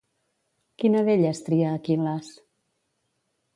Quina d'elles tria Aquil·les?